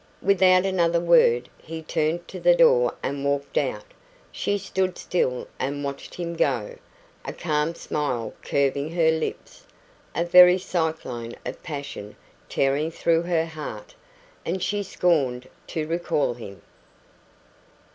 Without another word, he turned to the door and walked out. She stood still and watched him go, a calm smile curving her lips, a very cyclone of passion tearing through her heart; and she scorned to recall him.